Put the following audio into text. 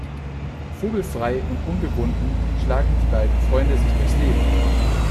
Vogelfrei und ungebunden schlagen die beiden Freunde sich durchs Leben.